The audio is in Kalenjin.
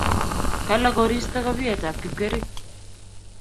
Kalaa koristo kopiet ap Kipkering'.